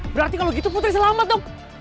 berarti kalau gitu putri selamat dong